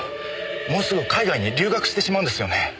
もうすぐ海外に留学してしまうんですよね？